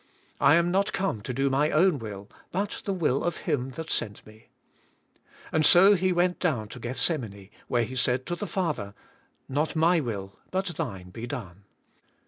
"I am not come to do my own will, but the will of Him that sent Me." And so He went down to Gethsemane, where He said to the Father, Not my will but Thine be done."